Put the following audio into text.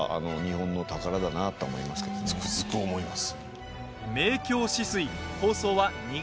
つくづく思います。